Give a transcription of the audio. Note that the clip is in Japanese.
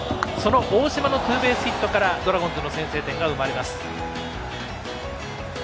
大島のツーベースヒットからドラゴンズの先制点が生まれます。